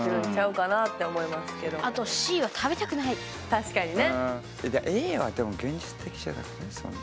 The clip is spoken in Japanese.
確かにね。